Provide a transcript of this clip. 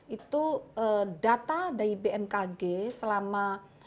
itu data dari bmkg selama